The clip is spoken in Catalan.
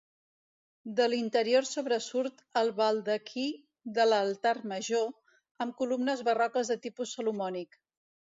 De l'interior sobresurt el baldaquí de l'altar major, amb columnes barroques de tipus salomònic.